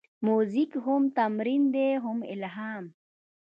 موزیک هم تمرین دی، هم الهام.